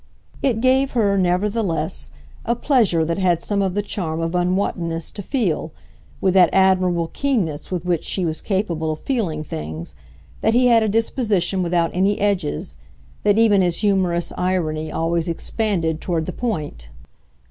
It gave her, nevertheless, a pleasure that had some of the charm of unwontedness to feel, with that admirable keenness with which she was capable of feeling things, that he had a disposition without any edges; that even his humorous irony always expanded toward the point.